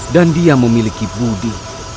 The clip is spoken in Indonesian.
dan dia memiliki budi